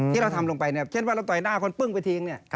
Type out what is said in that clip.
ที่เราทำลงไปเนี่ยเช่นว่าเราต่อยหน้าคนปึ้งไปทิ้ง